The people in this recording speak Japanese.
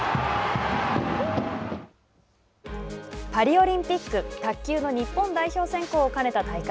パリオリンピック卓球の日本代表選考を兼ねた大会。